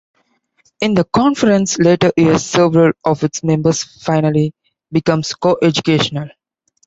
In the conference's later years, several of its members finally became co-educational.